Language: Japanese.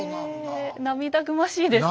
へえ涙ぐましいですね。